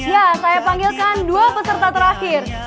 ya saya panggilkan dua peserta terakhir